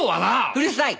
うるさい！